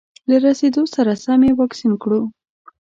له رسېدو سره سم یې واکسین کړو.